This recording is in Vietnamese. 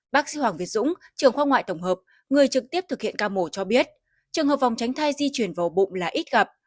bác sĩ hoàng việt dũng trường khoa ngoại tổng hợp người trực tiếp thực hiện ca mổ cho biết trường hợp phòng tránh thai di chuyển vào bụng là ít gặp